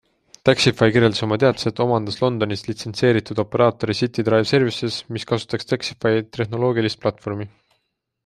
Taxify kirjeldas oma teates, et omandas Londonis litsenseeritud operaatori City Drive Services, mis kasutaks Taxify trehnoloogilist platvormi.